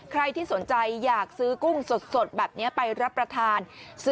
ใครที่สนใจอยากซื้อกุ้งสดแบบนี้ไปรับประทาน